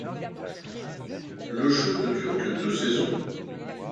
Le show ne dure que deux saisons.